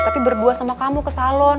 tapi berbuah sama kamu ke salon